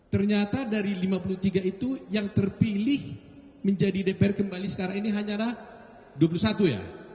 ternyata dari lima puluh tiga itu yang terpilih menjadi dpr kembali sekarang ini hanyalah dua puluh satu ya